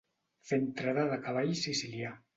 Fer entrada de cavall sicilià.